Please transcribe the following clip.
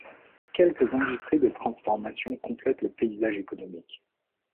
Quelques industries de transformation complètent le paysage économique.